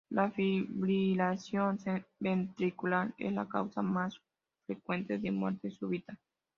La fibrilación ventricular es la causa más frecuente de muerte súbita.